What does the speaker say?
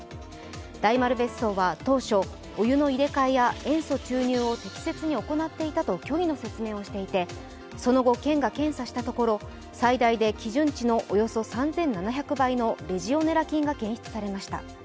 大丸別荘は当初、お湯の入れ替えや塩素注入を適切に行っていたと虚偽の説明をしていてその後、県が検査したところ最大で基準値のおよそ３７００倍のレジオネラ菌が検出されました。